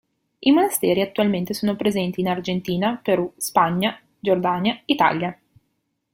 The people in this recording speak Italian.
I monasteri attualmente sono presenti in Argentina, Perù, Spagna, Giordania, Italia.